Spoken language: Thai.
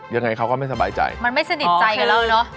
ยังไงเขาก็ไม่สบายใจมันไม่สนิทใจกันแล้วเนอะ